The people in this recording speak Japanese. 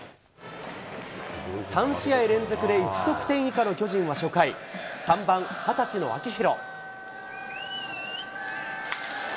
３試合連続で１得点以下の巨人は初回、３番、２０歳の秋広。